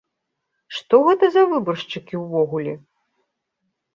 Што гэта за выбаршчыкі ўвогуле?